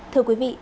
thưa quý vị